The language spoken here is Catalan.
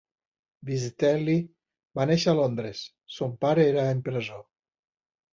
Vizetelly va néixer a Londres, son pare era impressor.